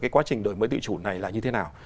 cái quá trình đổi mới tự chủ này là như thế nào